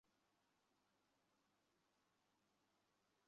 কুত্তার বাচ্চা কোথাকারে!